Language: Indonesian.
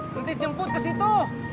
nanti saya jemput ke situ